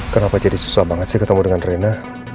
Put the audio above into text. kenapa jadi susah banget sih ketemu dengan rena